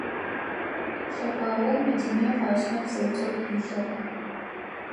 Лъэкъуаоу Мэдинэ ыпашъхьэ бзыу цӏыкӏу илъыгъ.